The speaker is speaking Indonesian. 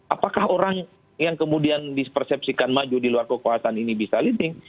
apakah orang yang kemudian dispersepsikan maju di luar kekuasaan ini bisa leading